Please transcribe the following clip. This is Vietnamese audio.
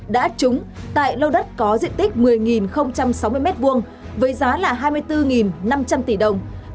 đã trúng tại lô đất có diện tích một mươi sáu mươi m hai với giá là hai mươi bốn năm trăm linh tỷ đồng